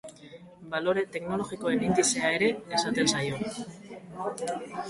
Balore teknologikoen indizea ere esaten zaio.